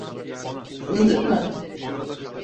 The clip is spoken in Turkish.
Tanıdık mı?